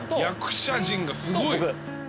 役者陣がすごい。